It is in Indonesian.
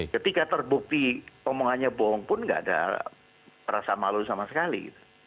ketika terbukti omongannya bohong pun tidak ada rasa malu sama sekali